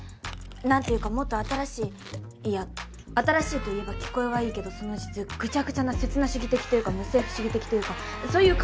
なんて言うかもっと新しいいや新しいと言えば聞こえはいいけどその実グチャグチャな刹那主義的というか無政府主義的というかそういうカオスなものを。